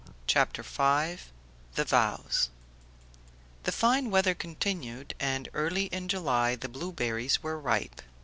CHAPTER V THE VOWS THE fine weather continued, and early in July the blueberries were ripe.